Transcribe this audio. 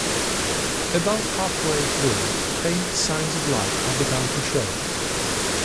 About half-way through, faint signs of life had begun to show.